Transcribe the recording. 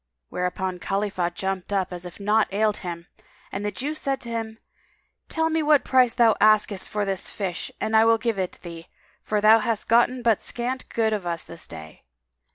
Whereupon Khalifah jumped up, as if naught ailed him, and the Jew said to him, "Tell me what price thou asketh for this fish and I will give it thee: for thou hast gotten but scant good of us this day."